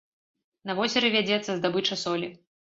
На возеры вядзецца здабыча солі.